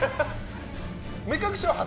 目隠しは初？